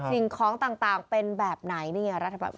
สิ่งของต่างเป็นแบบไหนนี่ไงรัฐบาล